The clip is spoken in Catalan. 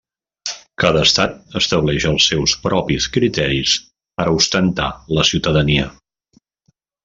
Cada estat estableix els seus propis criteris per a ostentar la ciutadania.